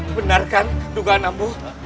benar kan tuhan ambo